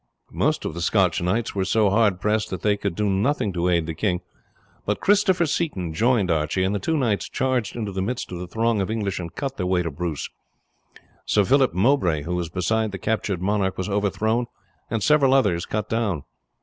Most of the Scotch knights were so hardly pressed that they could do nothing to aid the king; but Christopher Seaton joined Archie, and the two knights charged into the midst of the throng of English and cut their way to Bruce. Sir Philip Mowbray, who was beside the captured monarch, was overthrown, and several others cut down.